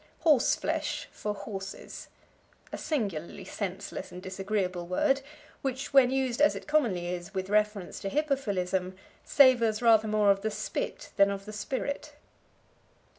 Horseflesh for Horses. A singularly senseless and disagreeable word which, when used, as it commonly is, with reference to hippophilism, savors rather more of the spit than of the spirit.